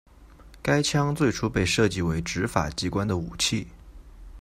该枪最初被设计为执法机关的武器。